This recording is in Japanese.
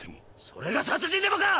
それが殺人でもか！